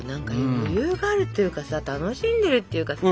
余裕があるっていうかさ楽しんでるっていうか。